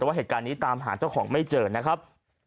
แต่ว่าเหตุการณ์นี้ตามหาเจ้าของไม่เจอนะครับ